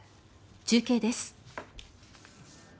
中継です。